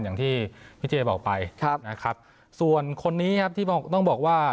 อย่างที่พี่เจบอกไปครับนะครับส่วนคนนี้ครับที่ต้องบอกว่า